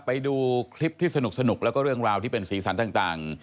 ไปดูคลิปที่สนุกแล้วก็เรื่องราวที่เป็นสีสันต่าง